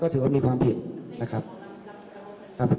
ก็ถือว่ามีความผิดนะครับ